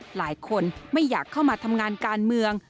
หลายคนไม่อยากเข้ามาทำงานการเมือง